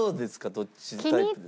どっちのタイプですか？